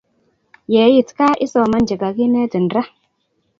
Ye i it kaa isoman che kakinetin ra